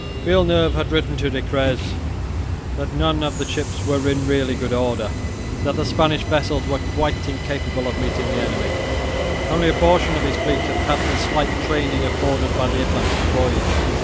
Villeneuve had written to Decrès that none of the ships were in really good order, and that the Spanish vessels were "quite incapable of meeting the enemy." Only a portion of his fleet had had the slight training afforded by the Atlantic voyage.